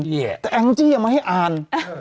แต่แออลย์จี้ยังไม่ให้อ่าน